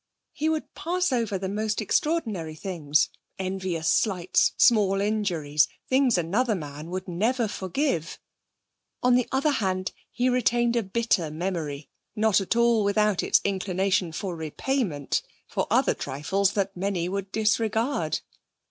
He would pass over the most extraordinary things envious slights, small injuries, things another man would never forgive. On the other hand, he retained a bitter memory, not at all without its inclination for repayment, for other trifles that many would disregard.